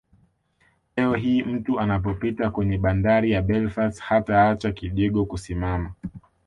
Leo hii mtu anapopita kwenye bandari ya Belfast hataacha kidigo kusimama